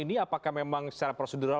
ini apakah memang secara prosedural